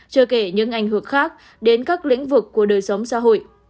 chưa kể những ảnh hưởng khác đến các lĩnh vực của đời sống xã hội